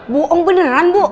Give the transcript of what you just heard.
boong beneran bu